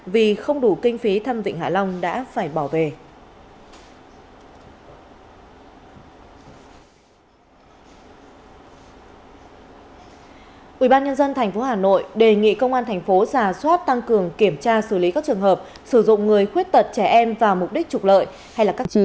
vì không đủ kinh phí